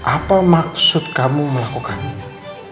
apa maksud kamu melakukan ini